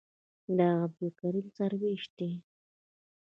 دا عبدالکریم سروش ده.